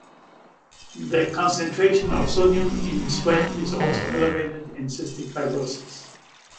The concentration of sodium in sweat is also elevated in cystic fibrosis.